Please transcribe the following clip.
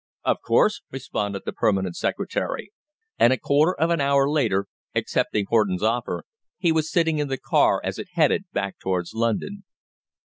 "Of course," responded the Permanent Secretary. And a quarter of an hour later, accepting Horton's offer, he was sitting in the car as it headed back towards London.